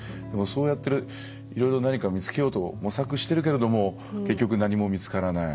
そうやっていろいろ何かを見つけようと模索してるけれども結局何も見つからない。